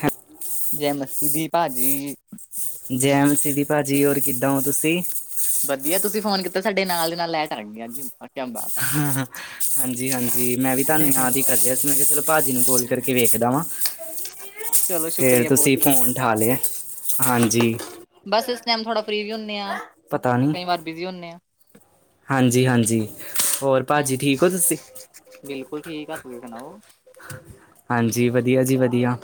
ਹੈ। ਜੈ ਮਸਤੀ ਦੀ ਭਾਜੀ। ਜੈ ਮਸੀ ਦੀ ਭਾਜੀ, ਹੋਰ ਕਿੱਦਾਂ ਓ ਤੁਸੀ? ਵਧੀਆ ਤੁਸੀ ਫੋਨ ਕੀਤਾ ਸਾਡੇ ਨਾਲ ਦੇ ਨਾਲ ਲੈਟ ਆਗੀ ਅੱਜ। ਬਾਤ ਆ ਹਾਂ ਹਾਂਜੀ ਹਾਂਜੀ, ਮੈਂ ਵੀ ਤੁਆਨੂੰ ਯਾਦ ਈ ਕਰ ਰੇਆ ਸੀ, ਮੈਂ ਕੇਆ ਚਲੋ ਭਾਜੀ ਨੂੰ ਕੋਲ ਕਰਕੇ ਵੇਖਦਾ ਵਾਂ, ਚਲੋ ਫੇਰ ਸ਼ੁਕਰੀਆ ਤੁਸੀ ਬਹੁਤ-ਬਹੁਤ ਫੋਨ ਠਾ ਲੇਆ ਐ, ਹਾਂਜੀ। ਬਸ ਇਸ ਟਾਈਮ ਥੋੜਾ ਫਰੀ ਵੀ ਹੁੰਨੇ ਆ, ਪਤਾ ਨਹੀਂ ਕਈ ਵਾਰ ਬਿਜ਼ੀ ਹੁੰਨੇ ਆਂ। ਹਾਂਜੀ ਹਾਂਜੀ, ਹੋਰ ਭਾਜੀ ਜੀ ਹੂੰ ਠੀਕ ਓ ਤੁਸੀ? ਬਿਲਕੁਲ ਠੀਕ ਆ, ਤੁਸੀ ਸੁਣਾਓ? ਹਾਂਜੀ ਵਧੀਆ ਜੀ ਵਧੀਆ,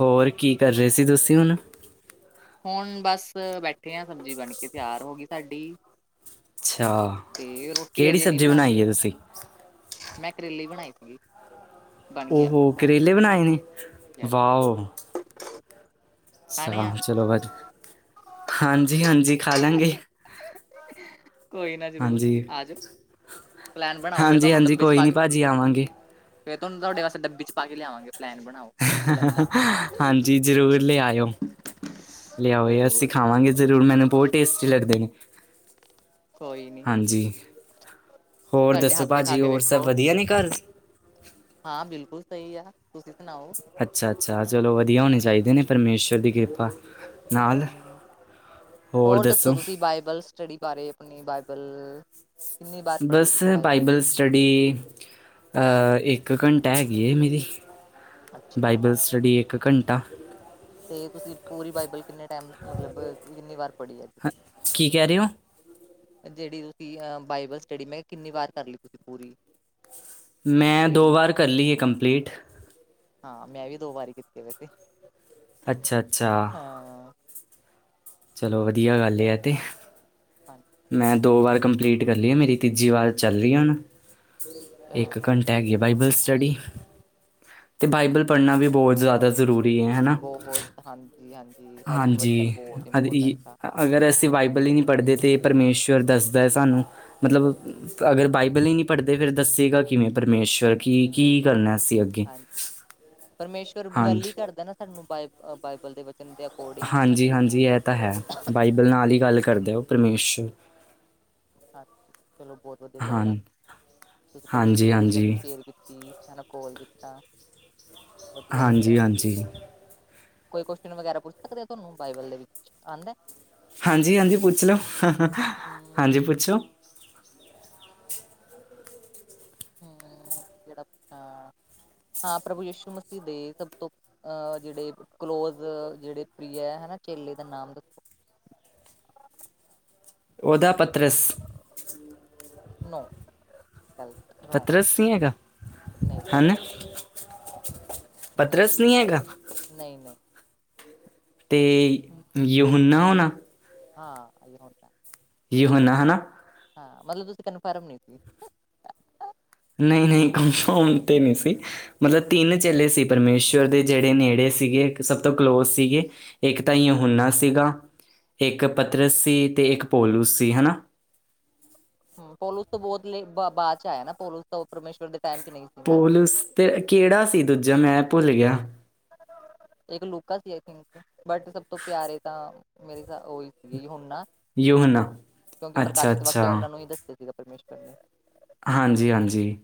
ਹੋਰ ਕੀ ਕਰ ਰਏ ਸੀ ਤੁਸੀ ਹੁਨ? ਹੋਨ ਬਸ ਬੈਠੇ ਆਂ, ਸਬਜੀ ਬਣ ਕੇ ਤੇਆਰ ਹੋਗੀ ਸਾਡੀ। ਅੱਛਾ, ਤੇ ਰੋਟੀ ਕੇੜੀ ਅਜੇ ਨਹੀਂ ਸਬਜੀ ਬਣਾਈ ਬਣਾਂਦੇ ਐ ਤੁਸੀ? ਮੈਂ ਕਰੇਲੇ ਬਣਾਏ ਸੀਗੇ। ਬਣ ਗਿਆ ਓਹੋ ਹੁਣ ਕਰੇਲੇ ਬਣਾਏ ਨੇ, ਵਾਓ। ਖਾਣੇ ਆ ਸਵਾਨ ਚਲੋ ਵਜ, ਹਾਂਜੀ ਹਾਂਜੀ ਖਾਲਾਂਗੇ। ਕੋਈ ਨਾ ਜਰੂਰ ਆ ਜੋ। ਪਲੈਨ ਬਣਾਓ ਫੇਰ ਹਾਂਜੀ ਤਾਨੂੰ ਹਾਂਜੀ ਡੱਬੇ ਚ ਕੋਈ ਪਾ ਨਹੀਂ ਕੇ ਭਾਜੀ ਆਵਾਂਗੇ। ਫੇਰ ਤੁਆਨੂੰ ਤੁਹਾਡੇ ਵਾਸਤੇ ਡੱਬੀ ਚ ਪਾ ਕੇ ਲਿਆਵਾਂਗੇ ਪਲੈਨ ਬਣਾਓ। ਮਿਲਣ ਦਾ ਹਾਂਜੀ, ਜਰੂਰ ਲਿਆਏਓ। ਲਿਆਓ ਅਸੀ ਜ਼ਰੂਰ। ਖਾਵਾਂਗੇ। ਜਰੂਰ ਮੈਨੂੰ ਬੋਤ ਟੇਸਟੀ ਲੱਗਦੇ ਨੇ। ਕੋਈ ਨੀ। ਜੀ, ਹੋਰ ਸਾਡੇ ਦੱਸੋਂ ਹੱਥ ਦੇ ਖਾ ਭਾਜੀ, ਕੇ ਹੋਰ ਸਭ ਵੇਖੋ ਵਧੀਆ ਨੇ ਘਰ? ਹਾਂ, ਬਿਲਕੁਲ ਸਈ ਆ ਤੁਸੀ ਸੁਣਾਓ? ਅੱਛਾ ਅੱਛਾ, ਚਲੋਂ ਵਧੀਆ ਹੋਣੇ ਚਾਈਦੇ ਨੇ ਪਰਮੇਸ਼ਰ ਦੀ ਕਿਰਪਾ। ਨਾਲ। ਹੂੰ, ਹੋਰ ਦੱਸੋਂ ਤੁਸੀ ਬਾਈਬਲਸ ਸਟੱਡੀ ਬਾਰੇ ਆਪਣੀ ਬਾਈਬਲ। ਕਿੰਨੀ ਵਾਰ ਪੜ੍ਹ ਲਈ ਬਸ ਤੁਸੀਂ ਬਾਈਬਲ ਸਟੱਡੀ ਅ ਏਕ ਘੰਟਾ ਹੈਗੀ ਐ ਮੇਰੀ, ਅੱਛਾ ਬਾਈਬਲ ਸਟੱਡੀ ਏਕ ਘੰਟਾ। ਤੇ ਤੁਸੀ ਪੂਰੀ ਬਾਈਬਲ ਕਿੰਨੇ ਟੈਮ, ਮਤਲਬ ਕਿੰਨੀ ਵਾਰ ਪੜੀ ਐ ਅੱਜ ਤੱਕ? ਕੀ ਕਹਿ ਰਹੇ ਹੋ? ਜੇੜੀ ਤੁਸੀ ਅ ਬਾਈਬਲ ਸਟੱਡੀ, ਮੈਂ ਕਿੰਨੀ ਵਾਰ ਕਰ ਲਈ ਤੁਸੀ ਪੂਰੀ? ਮੈਂ ਦੋ ਰੀਡਿੰਗ ਵਾਰ ਕਰ ਲਈ ਏ ਕੰਪਲੀਟ। ਹਾਂ, ਮੈਂ ਵੀ ਦੋ ਵਾਰੀ ਕੀਤੀ ਐ ਵੈਸੇ। ਅੱਛਾ ਅੱਛਾ। ਹਾਂ। ਚਲੋਂ ਵਧੀਆ ਗੱਲ ਆ ਐ ਤੇ। ਅੱਛਾ ਮੈਂ ਦੋ ਵਾਰ ਕੰਪਲੀਟ ਕਰ ਲਈ ਆ ਮੇਰੀ ਤੀਜੀ ਵਾਰ ਚੱਲ ਰਹੀ ਹੁਣ, ਇੱਕ ਘੰਟਾ ਹੈਗੀ ਬਾਈਬਲ ਸਟੱਡੀ, ਤੇ ਬਾਈਬਲ ਪੜ੍ਹਨਾ ਵੀ ਬਹੁਤ ਜ਼ਿਆਦਾ ਜ਼ਰੂ ਰੀ ਐ ਹਨਾ। ਬਹੁਤ ਹਾਂਜੀ ਹਾਂਜੀ ਹਰ ਇੱਕ ਵਚਨ ਹਾਂਜੀ, ਬਹੁਤ ਆ ਇੰਪੋਰਟੈਂਟ ਇਹੀ ਅਗਰ ਅਸੀਂ ਬਾਈਬਲ ਹੀ ਨੀ ਪੜ੍ਹਦੇ ਤਾਂ ਪਰਮੇਸ਼ੁਰ ਦੱਸਦਾ ਏ ਸਾਨੂੰ, ਮਤਲਬ ਅਗਰ ਬਾਈਬਲ ਹੀ ਨੀ ਪੜ੍ਹਦੇ ਫਿਰ ਦੱਸੇਗਾ ਕਿਵੇਂ ਪਰਮੇਸ਼ਵਰ ਕੀ-ਕੀ ਬਿਲਕੁਲ ਕਰਨਾ ਪਰ ਅਸੀਂ ਅੱਗੇ, ਹਾਂਜੀ। ਘੜਦਾ ਨਾ ਸਾਨੂੰ ਬਾ ਬਾਈਬਲ ਦੇ ਵਚਨ ਦੇ ਅਕੋਰਡਿੰਗ ਹੀ ਸਾਨੂੰ ਹਾਂਜੀ-ਹਾਂਜੀ ਐ ਤਾਂ ਹੈ, ਬਾਈਬਲ ਨਾਲ ਹੀ ਗੱਲ ਕਰਦੇ ਉਹ ਪਰਮੇਸ਼। ਹਾਂਜੀ ਚਲੋਂ ਬਹੁਤ ਵਧੀਆ ਗੱਲ ਆ, ਤੁਸੀਂ ਹਾਂਜੀ ਪਰਮੇਸ਼ਵਰ ਦੀ ਗੱਲ ਵੀ ਹਾਂਜੀ ਸ਼ੇਅਰ ਕੀ ਤੀ ਹਨਾ ਕੋਲ ਕੀਤਾ, ਵਧੀਆ ਲੱਗਦਾ। ਹਾਂਜੀ ਹਾਂਜੀ ਕੋਈ ਕੁਉਚਨ ਵਗੈਰਾ ਪੁੱਛ ਸਕਦੇ ਤੁਹਾਨੂੰ ਬਾਈਬਲ ਦੇ ਵਿੱਚ ਆਂਦਾ? ਹਾਂਜੀ-ਹਾਂਜੀ ਪੁੱਛ ਲੋ, ਹਮ ਹਾਂਜੀ ਪੁੱਛੋ। ਹੂੰ, ਕਿਹੜਾ ਪੁੱਛਾ ਆ, ਹਾਂ ਪ੍ਰਭੂ ਯਸ਼ੂ ਮਸੀਹ ਦੇ ਸਭ ਤੋਂ ਅਹ ਜਿਹੜੇ ਕਲੋਜ ਜਿਹੜੇ ਪ੍ਰੀਆ ਐ ਹਨਾ ਚੇਲੇ ਦਾ ਨਾਮ ਦ ਉਹਦਾ ਪਤਰਸ। ਨੋ, ਗਲਤ ਰੌਗ, ਪਤਰਸ ਨਹੀਂ ਨਈ। ਪਦਰਸ ਨੀ ਹੈਗਾ। ਨਈ-ਨਈ। ਤੇ, ਯਹੂਨਾ ਹੋਣਾ। ਆਂ ਓਇਓ ਹੁੰਦੈ। ਯਹੂਨਾ ਹਨਾ। ਹਾਂ ਮਤਲਬ ਤੁਸੀ ਕਨਫਰਮ ਨੀ ਸੀਗੇ। ਨਈ-ਨਈ ਕੰਫਮ ਤੇ ਨੀ ਸੀ। ਮਤਲਬ ਤਿੰਨ ਚੇਲੇ ਸੀ ਪਰਮੇਸ਼ਵਰ ਦੇ ਜਿਹੜੇ ਨੇੜੇ ਸੀਗੇ ਸਭ ਤੋਂ ਕਲੋਜ਼ ਸੀਗੇ। ਇੱਕ ਤਾਂ ਯਹੂਨਾ ਸੀਗਾ, ਇੱਕ ਪਤਰਸ ਸੀ ਤੇ ਇੱਕ ਪੋਲੂ ਸੀ ਹਨਾ। ਹੂੰ ਪੋਲੂ ਤੋ ਬੋਤ ਲੇ ਬ ਬਾਚ ਆਇਆ ਨਾ ਪੋਲੂ ਤੋਂ ਪਰਮੇਸ਼ਵਰ ਦੇ ਟੈਮ ਤੇ ਨਈ ਪੋਲੂਸ ਤੇ ਕੇੜਾ ਸੀ ਦੂਜਾ ਮੈਂ ਭੁੱਲ ਗਿਆ। ਇੱਕ ਲੋਕਾ ਸੀ ਆਈ ਥਿੰਕ ਬਟ ਸਭ ਤੋਂ ਪਿਆਰੇ ਤਾਂ ਮੇਰੇ ਤਾ ਉਹ ਈ ਸੀਗੇ ਜੀ ਹੁਣ ਨਾ, ਯੂਹਨਾ ਕਿਉਂਕਿ ਅੱਛਾ ਪ੍ਰਕਾਸ਼ਿਤ ਅੱਛਾ ਵਾਕਿਆ ਉਨ੍ਹਾਂ ਨੂੰ ਈ ਦਿਤ ਸੀਗਾ ਪਰਮੇਸ਼ਵਰ ਨੇ। ਹਾਂਜੀ-ਹਾਂਜੀ,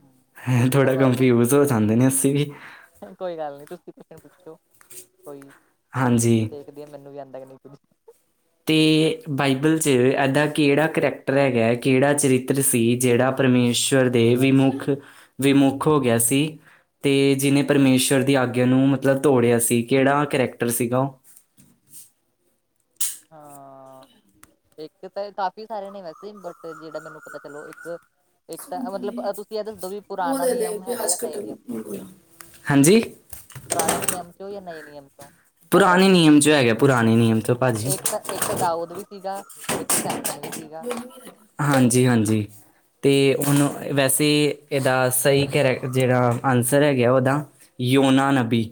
ਹੂੰ, ਹੈ ਤੁਸੀਂ ਥੋੜ੍ਹਾ ਕਫਿਊਜ਼ ਹੋ ਜਾਂਦੇ ਨੇ ਅਸੀਂ ਵੀ। ਨਈ ਕੋਈ ਗੱਲ ਨੀ ਤੁਸੀਂ ਮੈਨੂੰ ਪੁੱਛੋ, ਕੋਈ ਹਾਂਜੀ। ਦੇਖਦੀ ਆ ਮੈਨੂੰ ਵੀ ਆਂਦਾ ਕੇ ਨਈ ਕੁਝ। ਤੇ ਬਾਈਬਲ, ਚ ਐਦਾ ਕਿਹੜਾ ਕਰੈਕਟਰ ਹੈਗੈ ਕਿਹੜਾ ਚਰਿੱਤਰ ਸੀ ਜਿਹੜਾ ਪਰਮੇਸ਼ਵਰ ਦੇ ਵਿਮੁੱਖ, ਵਿਮੁੱਖ ਹੋ ਗਿਆ ਸੀ। ਤੇ ਜਿਹਨੇ ਪਰਮੇਸ਼ੁਅਰ ਦੀ ਆਗਿਆ ਨੂੰ ਮਤਲਬ ਤੋੜਿਆ ਸੀ ਕਿਹੜਾ ਕਰੈਕਟਰ ਸੀਗਾ ਉਹ? ਹਾਂ। ਵੇਖੇ ਤੇ ਕਾਫ਼ੀ ਸਾਰੇ ਨੇ ਵੈਸੇ ਬਟ ਜੇੜਾ ਮੈਨੂੰ ਪਤਾ ਚਲੋ ਇੱਕ ਇਕ ਤਾ ਮਤਲਬ ਤੁਸੀ ਐ ਦੱਸ ਦੋ ਵੀ ਪੁਰਾਣਾ ਨਿਯਮ ਹੈਗਾ ਜਾਂ ਨਏ ਨਿਯਮ? ਹਾਂਜੀ ਪੁਰਾਣੇ ਨਿਯਮ ਚੋਂ ਯਾ ਨਏ ਨਿਯਮ ਚੋਂ? ਪੁਰਾਣੇ ਨਿਯਮ ਚੋਂ ਹੈਗੇ ਪੁਰਾਣੇ ਨਿਯਮ ਚੋਂ। ਇਕ ਤਾਂ ਇਕ ਤਾਂ ਦਾਊਦ ਵੀ ਸੀਗਾ, ਇਕ ਸੈਮਸਨ ਵੀ ਸੀਗਾ। ਹਾਂਜੀ-ਹਾਂਜੀ। ਤੇ ਉਨੂੰ ਵੈਸੇ ਏਦਾ ਸਈ ਕਰੈਕ ਜੇੜਾ ਆਂਨਸਰ ਹੈਗੈ ਓਦਾ ਯੋਨਾ ਨਬੀ।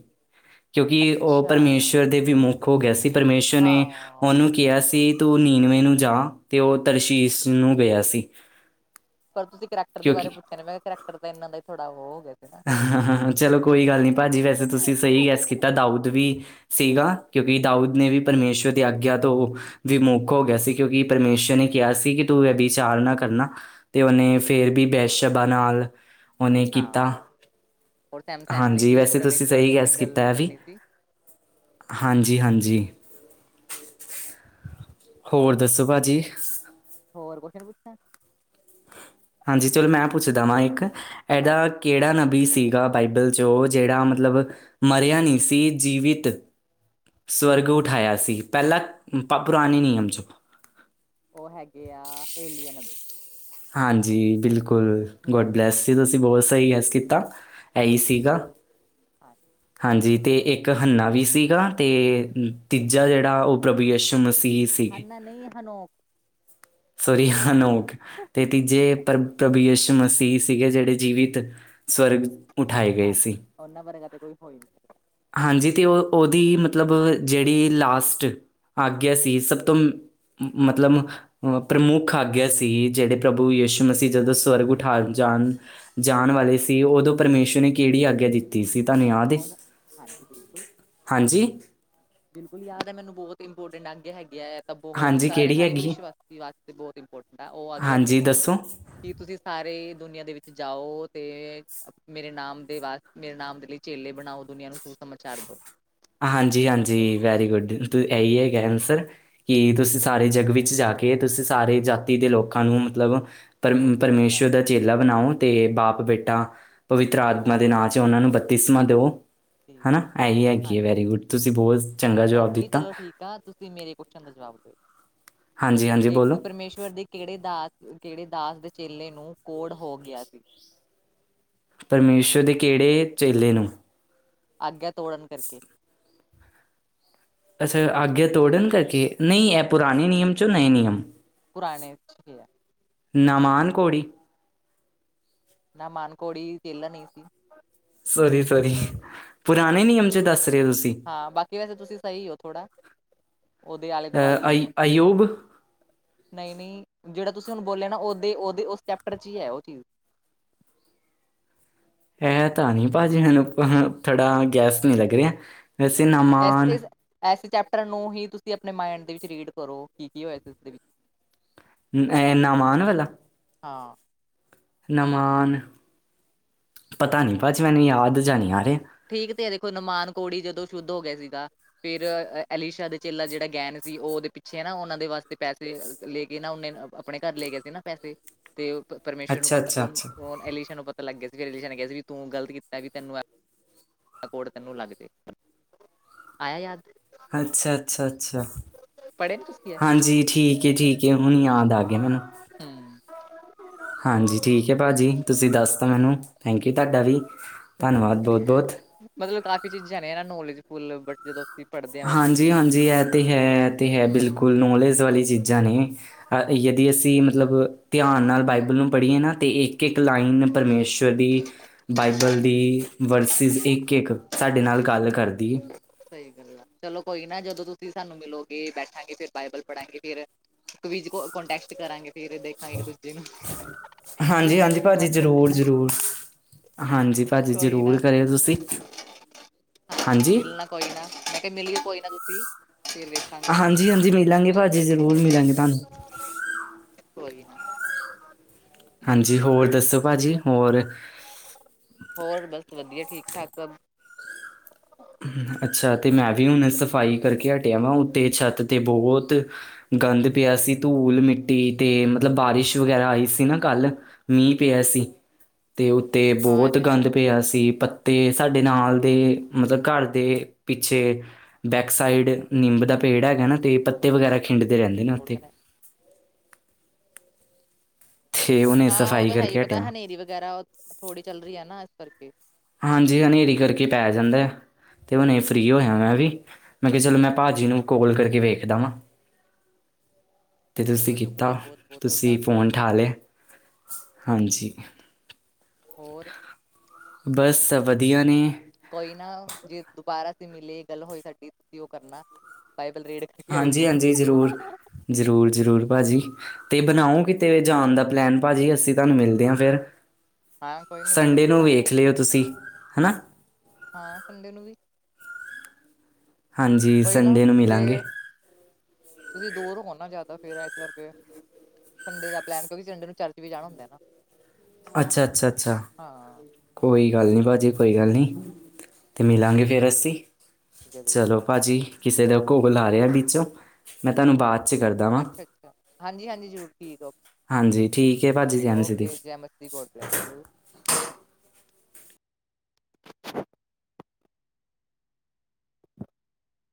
ਕਿਉਂਕਿ ਓ ਅੱਛਾ ਪਰਮੇਸ਼ਅਰ ਦੇ ਵਿਮੁੱ ਹੋ ਗਿਆ ਸੀ। ਪਰਮੇਸ਼ੁਅਰ ਨੇ ਹਾਂ ਉਨੂੰ ਕਿਆ ਸੀ ਤੂੰ ਨੀਵੇਂ ਨੂੰ ਜਾ ਤੇ ਓ ਤਰਸ਼ੀਸ਼ ਨੂੰ ਗਿਆ ਸੀ। ਪਰ ਤੁਸੀ ਕਰੈਕਟਰ ਦੇ ਵਾਰੇ ਕਿਉਂਕਿ ਪੁੱਛਿਆ ਨਾ। ਮੈਂ ਕਿਆ ਕਰੈਕਟਰ ਤਾ ਏਨਾ ਦਾ ਈ ਥੋੜਾ ਹੋ ਗਿਆ ਸੀ ਨਾ। ਹਾਂ, ਹਾਂ, ਹਾ ਚਲੋ ਕੋਈ ਗੱਲ ਨੀਂ ਪਾਜੀ ਵੈਸੇ ਤੁਸੀ ਸਈ ਗੈੱਸ ਕੀਤਾ। ਦਾਊਦ ਵੀ ਸੀਗਾ ਕਿਉਂਕਿ ਦਾਊਦ ਨੇ ਵੀ ਪਰਮੇਸ਼ੁਅਰ ਦੀ ਆਗਿਆ ਤੋਂ ਵਿਮੁੱਖ ਹੋ ਗਿਆ ਸੀ। ਕਿਉਂਕਿ ਪਰਮੇਸ਼ਅਰ ਨੇ ਕਿਆ ਸੀ ਕਿ ਤੂੰ ਐ ਵਿਚਾਰ ਨਾ ਕਰਨਾ। ਤੇ ਓਨੇ ਫੇਰ ਵੀ ਬੈਸ਼ਬਾ ਨਾਲ, ਓਨੇ ਹਾਂ ਕੀਤਾ। ਹੋਰ ਸੈਮਸਨ ਨੇ ਹਾਂਜੀ, ਵੀ ਵੈਸੇ ਤੁਸੀ ਪਰਮੇਸ਼ਵਰ ਸਈ ਦੀ ਗੈੱਸ ਗੱਲ ਕੀਤਾ ਨਹੀਂ ਐ ਵੀ। ਮੰਨੀ ਸੀ ਹਾਂਜੀ-ਹਾਂਜੀ। ਹੋਰ ਦੱਸੋ ਪਾਜੀ? ਹੋਰ ਕੌਅਸ਼ਨ ਪੁਛਾਂ? ਹਾਂਜੀ, ਚਲੋ ਮੈਂ ਪੁੱਛਦਾ ਵਾਂ ਇਕ ਏਦਾ ਕੇੜਾ ਨਬੀ ਸੀਗਾ ਬਾਈਬਲ ਜੋ ਜੇੜਾ ਮਤਲਬ ਮਰਿਆ ਨੀ ਸੀ ਜੀਵਿਤ ਸਵਰਗ ਉਠਾਇਆ ਸੀ। ਪੈਲਾ ਪਾ ਪੁਰਾਣੇ ਨਿਯਮ ਚ। ਓ ਹੈਗੇ ਆ ਏਲੀਅਨ। ਹਾਂਜੀ, ਬਿਲਕੁਲ। ਅਬੀ ਗੋਡ ਬਲੈਸ ਯੂ। ਤੁਸੀ ਬੋਤ ਸਈ ਗੈੱਸ ਕੀਤਾ। ਐਈ ਸੀਗਾ। ਹਾਂ ਹਾਂਜੀ ਤੇ ਏਕ ਹੰਨਾ ਵੀ ਸੀਗਾ ਤੇ ਤੀਜਾ ਜੇੜਾ ਓ ਪ੍ਰਭੂ ਯਸ਼ੂ ਮਸੀਹ ਸੀ। ਹੰਨਾ ਨਈਂ ਹਨੋਂ ਸੋਰੀ ਹਨੋਕ ਤੇ ਤੀਜੇ ਪ੍ਰਭ ਪ੍ਰਭੁ ਯਸੋ਼-ਮਸੀਹ ਸੀਗੇ, ਜੇੜੇ ਜੀਵਿਤ ਸਵਰਗ ਉਠਾਏ ਗਏ ਸੀ ਹਾਂਜੀ, ਓਨਾਂ ਵਰਗਾ ਤੇ ਕੋਈ ਹੋ ਈ ਹਾਂਜੀ, ਤੇ ਓ ਓਦੀ ਹੀ ਮਤਲਬ ਜੇੜੀ ਲਾਸਟ ਆਗਿਆ ਸੀ, ਸਭ ਤੋਂ ਮ ਮਤਲਬ, ਨਹੀਂ ਅਹ ਪ੍ਰਮੁੱਖ ਆਗਿਆ ਸੀ ਜੇੜੇ ਪ੍ਰਭੂ-ਯਸ਼ ਸੀ, ਜਦੋਂ ਹਾਂ ਸਵਰਗ ਉਠਾ ਜਾਣ ਜਾਣ ਵਾਲੇ ਸੀ, ਉਦੋਂ ਪਰਮੇਸ਼ੁਰ ਨੇ ਕੇੜੀ ਆਗਿਆ ਦਿੱਤੀ ਦਿੱਤੀ ਸੀ ਤਾਂਨੂੰ ਯਾਦ ਏ। ਉਹ ਹਾਂਜੀ, ਬਿਲਕੁਲ। ਹਾਂਜੀ? ਬਿਲਕੁਲ ਯਾਦ ਏ ਮੈਨੂੰ ਬਹੁਤ ਇੰਪੋਰਟੈਂਟ ਆਗਿਆ ਹੈਗੇ ਐ। ਤਾਂ ਬਹੁਤ ਹਾਂਜੀ ਸਾਰੇ, ਕਿਹੜੀ ਹਰ ਇੱਕ ਹੈਗੀ ਏ? ਵਿਸ਼-ਵਕਤੀ ਵਾਸਤੇ ਬਹੁਤ ਇੰਪੋਰਟੈਂਟ ਆ, ਉਹ ਆਗਿਆ ਹਾਂਜੀ ਸੀਗੀ ਦੱਸੋ? ਕੀ ਤੁਸੀਂ ਸਾਰੇ ਦੁਨੀਆਂ ਦੇ ਵਿੱਚ ਜਾਓ ਤੇ ਮੇਰੇ ਨਾਮ ਦੇ ਵਾਸਤੇ, ਮੇਰੇ ਨਾਮ ਦੇ ਲਈ ਚੇਲੇ ਬਣਾਓ ਦੁਨੀਆਂ ਨੂੰ [unintelligible] ਸਮਾਚਾਰ ਦੋ। ਹਾਂਜੀ-ਹਾਂਜੀ, ਵੈਰੀ ਗੁੱਡ, ਤੂੰ ਏਹੀ ਹੈਗਾ ਅਂਨਸਰ ਕਿ ਤੁਸੀਂ ਸਾਰੇ ਜੱਗ ਵਿੱਚ ਜਾ ਕੇ, ਤੁਸੀਂ ਸਾਰੇ ਜਾਤੀ ਦੇ ਲੋਕਾਂ ਨੂੰ ਮਤਲਬ ਸੁਸਮਾਚਾਰ ਪਰਮ-ਪਰਮੇਸ਼ੁਰ ਦਾ ਚੇਲਾ ਬਣਾਓ ਤੇ ਬਾਪ-ਬੇਟਾ ਪਵਿੱਤਰ ਆਤਮਾ ਨਾਮ ਦੇ ਤੋਂ ਨਾਂ ਚ, ਓਨਾਂ ਨੂੰ ਬੱਤੀ ਸਮਾਂ ਦੋ। ਠੀਕ ਹਨਾਂ, ਹੈ ਏਹੀ ਹੈਗੀ, ਹਾਂਜੀ ਹਾਂ ਵੈਰੀ ਗੁੱਡ, ਤੁਸੀਂ ਬੋਤ ਚੰਗਾ ਜਵਾਬ ਦਿੱਤਾ। ਕਿਆ ਤੁਸੀਂ, ਮੇਰੇ ਕੋਸ਼ਨ ਦਾ ਜਵਾਬ ਦੋ, ਹਾਂਜੀ-ਹਾਂਜੀ ਬੋਲੋ ਇੱਕ ਪਰਮੇਸ਼ਵਰ ਦੀ ਕੇੜੇ ਦਾਸ, ਕੇੜੇ ਦਾਸ ਦੇ ਚੇਲੇ ਨੂੰ ਕੋੜ ਹੋ ਗਿਆ ਸੀ। ਪਰਮੇਸ਼ੁਰ ਦੇ ਕੇੜੇ ਚੇਲੇ ਨੂੰ। ਆਗਿਆ ਤੋੜਨ ਕਰਕੇ। ਅੱਛਾ, ਆਗਿਆ ਤੋੜਨ ਕਰਕੇ, ਨਈਂ ਐ ਹਾਂ ਪੁਰਾਣੇ ਨਿਯਮ ਚੋਂ ਨਏ ਨਿਯਮ। ਪੁਰਾਣੇ ਚ ਈ ਐ। ਨਾਮਾਨ ਕੋੋੜੀ। ਨਾਮਾਨ ਕੋੜੀ ਚੇਲਾ ਨਹੀਂ ਸੀ। ਸੋਰੀ-ਸੋਰੀ। ਪੁਰਾਣੇ ਨਿਯਮ 'ਚ ਦੱਸ ਰਹੇ ਹੋ ਤੁਸੀਂ ਹਾਂ ਬਾਕੀ ਵੈਸੇ ਤੁਸੀਂ ਸਹੀ ਹੋ ਥੋੜ੍ਹਾ। ਉਹਦੇ ਆਲੇ-ਦੁਆਲੇ ਹੀ ਹੋ। ਨਹੀਂ-ਨਹੀਂ ਜਿਹੜਾ ਤੁਸੀਂ ਹੁਣ ਬੋਲਿਆ ਨਾ ਉਹਦੇ ਉਹਦੇ ੳਸ ਚੈਪਟਰ'ਚ ਹੀ ਹੈ ਉਹ ਚੀਜ਼। ਇਹ ਤਾਂ ਨੀ ਭਾਜੀ ਮੈਨੂੰ ਥੋੜ੍ਹਾ ਗੈੱਸ ਨਹੀਂ ਲੱਗ ਰਿਹਾ। ਵੈਸੇ ਨਾਮ ਏਸ-ਇਸ ਏਸ ਚੈਪਟਰ ਨੂੰ ਹੀ ਤੁਸੀਂ ਅਪਨੇ ਮਾਇੰਡ ਦੇ ਵਿੱਚ ਰੀਡ ਕਰੋ ਕੀ-ਕੀ ਹੋਇਆ ਸੀ ਉਸ ਦੇ ਵਿੱਚ। ਇਹ ਨਾਮਾਨ ਵਾਲਾ। ਹਾਂ। ਨਾਮਾਨ ਪਤਾ ਨਹੀਂ ਭਾਜੀ ਮੈਨੂੰ ਯਾਦ ਜਿਆ ਨਹੀਂ ਆ ਰਿਹਾ। ਠੀਕ ਤੇ ਹੈ ਦੇਖੋ, ਨਮਾਨ ਕੋੜੀ ਜਦੋਂ ਸ਼ੁੱਧ ਹੋ ਗਿਆ ਸੀਗਾ। ਫੇਰ ਐਲੀਸ਼ਾ ਦੇ ਚੇਲਾ ਜਿਹੜਾ ਗੈਨ ਸੀ ੳਹ ਉਹਦੇ ਪਿੱਛੇ ਏਨਾ, ਉਹਨਾਂ ਦੇ ਵਾਸਤੇ ਪੈਸਲੇ ਲੈ ਕੇ ਨਾ ਓਨੇ ਆਪਣੇ ਘਰ ਲੈ ਗਿਆ ਸੀ ਨਾ ਪੈਸੇ। ਤੇ ਪਰਮੇਸ਼ਰ ਨੂੰ ਪਤਾ ੳਹ ੳਹ ਅਲੀਸ਼ਾ ਨੂੰ ਪਤਾ ਲੱਗ ਗਿਆ ਸੀ ਵੀ ਅਲੀਸ਼ਾ ਨੇ ਕਿਹਾ ਸੀ ਵੀ ਤੂੰ ਗਲਤ ਕੀਤਾ ਵੀ ਤੈਨੂੰ ਦਾ ਕੌੜ ਤੈਨੂੰ ਲੱਗ ਜੇ, ਆਇਆ ਯਾਦ। ਅੱਛਾ-ਅੱਛਾ, ਅੱਛਾ। ਪੜ੍ਹੇ ਨੀ ਤੁਸੀਂ ਐ? ਹਾਂਜੀ ਠੀਕ ਹੈ, ਠੀਕ ਹੈ ਹੁਨ ਯਾਦ ਆ ਗਿਆ ਮੈਨੂੰ। ਹੁ। ਹਾਂਜੀ ਠੀਕ ਹੈ ਭਾਜੀ, ਤੁਸੀਂ ਦੱਸ ਤਾਂ ਮੈਨੂੰ ਥੈਂਕ ਯੂ ਤਹਾਡਾ ਵੀ ਧੰਨਵਾਦ ਬੋਤ-ਬੋਤ। ਮਤਲਬ ਕਾਫ਼ੀ ਚੀਜ਼ਾਂ ਨੇ ਇਹ ਨੋਲੇਜਫੁੱਲ ਬਟ ਜਦੋਂ ਅਸੀਂ ਪੜ੍ਹਦੇ ਹਾਂ ਬੱਚਿਆਂ ਨੂੰ ਹਾਂਜੀ-ਹਾਂਜੀ ਇਹ ਤੇ ਹੈ, ਇਹ ਤੇ ਹੈ ਹੂੰ। ਬਿਲਕੁਲ ਨੋਲੇਜ ਵਾਲੀ ਚੀਜ਼ਾਂ ਨੇ। ਅ ਯਦੀ ਅਸੀਂ ਮਤਲਬ ਧਿਆਨ ਨਾਲ ਬਾਈਬਲ ਨੂੰ ਪੜ੍ਹੀਏ ਨਾ ਤੇ ਇੱ ਇੱਕ-ਇੱਕ ਲਾਈਨ ਪਰਮੇਸ਼ਵਰ ਦੀ ਬਾਈਬਲ ਦੀ ਵਰਸਿਸ, ਇੱਕ-ਇੱਕ ਸਾਡੇ ਨਾਲ ਗੱਲ ਕਰਦੀ ਏ। ਸਹੀ ਗੱਲ ਆ ਚਲੋ ਕੋਈ ਨਾ ਜਦੋਂ ਤੁਸੀਂ ਸਾਨੂੰ ਮਿਲੋਗੇ ਬੈਠਾਂਗੇ ਫੇਰ ਬਾਈਬਲ ਪੜਾਂਗੇ ਫੇਰ। ਕਵਿਜ ਕਾਂਟੈਸਟ ਕਰਾਂਗੇ ਫੇਰ ਦੇਖਾਂਗੇ ਇੱਕ-ਦੂਜੇ ਨੂੰ ਹਾਂਜੀ ਕਿੰਨਾ ਹਾਂਜੀ ਕਿਹਨੂੰ ਭਾਜੀ ਆਂਦਾ ਜ਼ਰੂਰ-ਜ਼ਰੂਰ ਹਾਂਜੀ ਭਾਜੀ ਕੋਈ ਜ਼ਰੂਰ। ਨਾ ਕਰਿਓ ਤੁਸੀਂ, ਹਾਂਜੀ। ਕੋਈ ਨਾ ਮੈਂ ਕਿਹਾ ਮਿਲੀ ਕੋਈ ਨਾ ਤੁਸੀਂ ਫੇਰ ਵੇਖ ਹਾਂਜੀ ਹਾਂਜੀ ਮਿਲਾਂਗੇ ਭਾਜੀ ਜ਼ਰੂਰ ਮਿਲਾਂਗੇ ਤਾਹਨੂੰ। ਕੋਈ ਨ। ਹਾਂਜੀ ਹੋਰ ਦੱਸੋ ਭਾਜੀ ਹੋਰ। ਹੋਰ ਬਸ ਵਦੀਆ ਠੀਕ-ਠਾਕ ਸਭ। ਅੱਛਾ ਤੇ ਮੈਂ ਵੀ ਹੁਨੇ ਸਫ਼ਾਈ ਕਰਕੇ ਹਟਿਆ ਵਾ ਉੱਤੇ ਛੱਤ ਤੇ ਬੋਹਤ ਗੰਦ ਪਿਆ ਸੀ ਧੂਲ ਮਿੱਟੀ ਤੇ ਮਤਲਬ ਬਾਰਿਸ਼ ਵਗੈਰਾ ਆਈ ਸੀ ਅੱਛਾ। ਨਾ ਕੱਲ ਮੀਂਹ ਪਿਆ ਸੀ। ਤੇ ਉੱਤੇ ਹਾਂ ਇਹ ਬੋਹਤ ਤੇ ਹੈ ਗੰਦ ਪਿਆ ਸੀ ਪੱਤੇ ਸਾਡੇ ਨਾਲ ਦੇ ਮਤਲਬ ਘਰ ਦੇ ਪਿੱਛੇ ਬੈਕ ਸਾਈਡ ਨਿੰਬ ਦਾ ਪੇੜ ਹੈਗਾ ਨਾ ਤੇ ਪੱਤੇ ਥੋੜ ਕ ਲੈ ਵਗੈਰਾ ਖਿੰਡਦੇ ਰਹਿੰਦੇ ਨੇ ਥੋੜ ਕ ਉੱਥੇ। ਲੈ ਤੇ ਉਹਨੇ ਹਾਂ ਉਹ ਸਫਾਈ ਤਾਂ ਹੈ ਹੀ। ਕਰਕੇ ਪਤਾ ਹਟਿਆ ਹਨੇਰੀ ਵਗੈਰਾ ਉਹ ਥੋੜ੍ਹੀ ਚੱਲ ਰਹੀ ਹੈ ਨਾ ਏਸ ਕਰਕੇ। ਹਾਂਜੀ ਹਨੇਰੀ ਕਰਕੇ ਪੈ ਜਾਂਦਾ। ਤੇ ਹੁਨੇ ਹੀ ਹੂੰ ਫ੍ਰੀ ਹੋਇਆ ਮੈਂ ਵੀ ਮੈਂ ਕਿਹਾ ਚਲੋ ਮੈਂ ਭਾਜੀ ਨੂੰ ਕੌਲ ਕਰਕੇ ਵੇਖਦਾ ਵਾਂ। [inaudible] [inaudible] ਤੇ ਤੁਸੀਂ ਚਲੋ ਕੀਤਾ, ਸ਼ੁਕਰੀਆ ਬਹੁਤ ਬਹੁਤ ਤੁਸੀਂ ਤੁਹਾਡਾ ਫੋਨ ਉਠਾ ਲਿਆ, ਹਾਂਜੀ। ਹੋਰ। ਬੱਸ, ਵਦੀਆ ਨੇ। ਕੋਈ ਨਾ, ਜੇ ਦੁਬਾਰਾ ਅਸੀਂ ਮਿਲੇ, ਗੱਲ ਹੋਈ ਸਾਡੀ, ਤੁਸੀਂ ਉਹ ਕਰਨਾ। ਬਾਈਬਲ ਰੀਡ ਕਰਕੇ ਆਏ ਹੋ ਹਾਂਜੀ ਪੂਰੀ। ਹਾਂਜੀ ਜ਼ਰੂਰ ਜ਼ਰੂਰ, ਜ਼ਰੂਰ ਭਾਜੀ। ਤੇ ਬਨਾਓ ਕਿਤੇ ਜਾਨ ਦਾ ਪਲੈਨ ਭਾਜੀ, ਅਸੀਂ ਤਾਨੂੰ ਮਿਲਦੇ ਆਂ ਫਿਰ। ਹਾਂ ਕੋਈ ਨਾ ਜ਼ਰੂਰ ਸੰਡੇ ਨੂੰ ਬਣਾਵਾਂਗੇ ਵੇਖ ਲੇਓ ਤੁਸੀਂ, ਹਨਾ। ਹਾਂ, ਸੰਡੇ ਨੂੰ ਵੀ ਹਾਂਜੀ ਕੋਈ ਨਾ, ਸੰਡੇ ਨੂੰ ਮਿਲਾਂਗੇ ਜੇ ਤੁਸੀਂ ਦੂਰ ਹੋ ਨਾ ਜ਼ਿਆਦਾ ਫਿਰ ਇਸ ਕਰਕੇ। ਸੰਡੇ ਦਾ ਪਲੈਨ, ਕਿਉਕਿ ਸੰਡੇ ਨੂੰ ਚਰਚ ਵੀ ਜਾਣਾ ਹੁੰਦਾ ਹੈ ਨਾ। ਅੱਛਾ, ਅੱਛਾ, ਅੱਛਾ। ਹਾਂ। ਕੋਈ ਗੱਲ ਨੀਂ ਭਾਜੀ। ਕੋਈ ਗੱਲ ਨੀਂ, ਤੇ ਮਿਲਾਂਗੇ ਫਿਰ ਅਸੀਂ, ਜ਼ਰੂਰ ਚਲੋ। ਭਾਜੀ, ਕਿਸੇ ਦਾ ਕੋਲ ਆ ਰਿਹਾ ਵਿੱਚੋਂ। ਮੈਂ ਤੁਹਾਨੂੰ ਬਾਦ ਅੱਛਾ, ਅੱਛਾ, ਹਾਂਜੀ-ਹਾਂਜੀ ਜ਼ਰੂਰ ਠੀਕ ਓ, ਹਾਂਜੀ ਠੀਕ ਹੈ ਭਾਜੀ ਜੈ ਮਸੀਹ ਦੀ ਓਕੇ, ਜੈ ਮ ਦੀ, ਗੌਡ ਬਲੈਸ ਯੂ।